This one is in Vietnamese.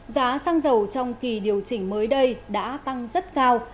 giá xăng dầu trong kỳ điều chỉnh mới đây đã tăng rất cao